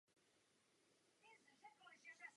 Rostliny slouží také jako ochrana břehů proti erozi.